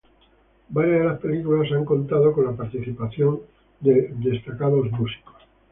Varias de las películas han contado con la participación de destacados toreros.